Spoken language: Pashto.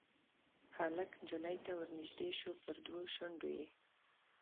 هلک نجلۍ ته ورنیژدې شو پر دوو شونډو یې